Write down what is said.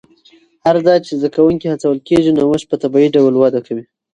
هر ځای چې زده کوونکي هڅول کېږي، نوښت په طبیعي ډول وده کوي.